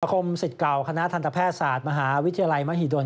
คมสิทธิ์เก่าคณะทันตแพทยศาสตร์มหาวิทยาลัยมหิดล